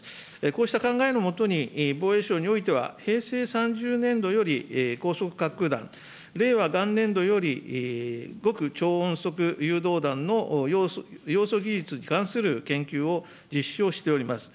こうした考えのもとに、防衛省においては平成３０年度より、高速滑空弾、令和元年度より極超音速誘導弾の技術に関する研究を実施をしております。